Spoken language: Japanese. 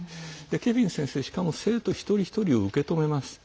ケヴィン先生しかも生徒一人一人を受け止めます。